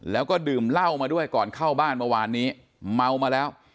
แล้วก็ดื่มเหล้ามาด้วยก่อนเข้าบ้านเมื่อวานนี้เมามาแล้ว